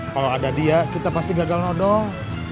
kalau ada dia kita pasti gagal nodong